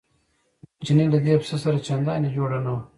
د چیني له دې پسه سره چندان جوړه نه وه.